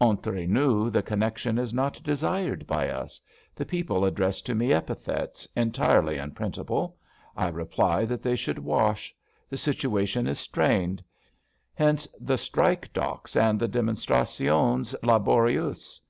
Entre nous the connection is not desired by us. The people address to me epithets, entirely un printable. I reply that they should wash. The situation is strained. Hence the Strike Docks and the Demonstrations Laborious.